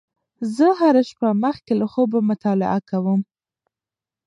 زه هره شپه مخکې له خوبه مطالعه کوم.